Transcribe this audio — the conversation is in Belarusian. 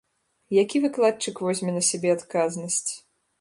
Які выкладчык возьме на сябе адказнасць?